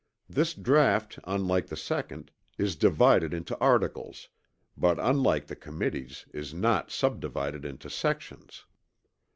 This draught unlike the second, is divided into articles, but unlike the Committee's, is not subdivided into sections.